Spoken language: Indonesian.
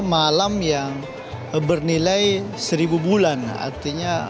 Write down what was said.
artinya kalau yang mendapatkan malam ini itu adalah malam yang berharga